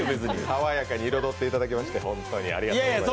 爽やかに彩っていただきまして本当にありがとうございます。